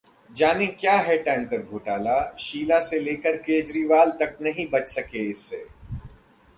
जानें क्या है टैंकर घोटाला, शीला से लेकर केजरीवाल तक नहीं बच सके इससे